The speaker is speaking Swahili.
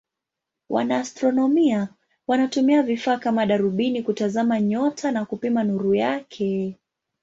Wanaastronomia wanatumia vifaa kama darubini kutazama nyota na kupima nuru yake.